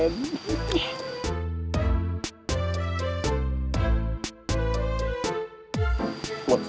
lu gak like ya